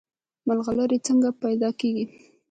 ملغلرې څنګه پیدا کیږي؟